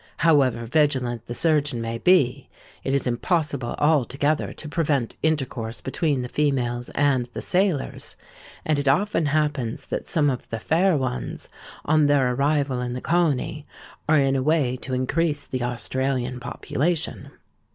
However vigilant the surgeon may be, it is impossible altogether to prevent intercourse between the females and the sailors; and it often happens that some of the fair ones, on their arrival in the colony, are in a way to increase the Australian population.